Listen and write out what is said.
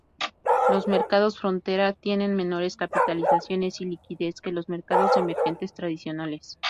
Los mercados frontera tienen menores capitalización y liquidez que los mercados emergentes tradicionales.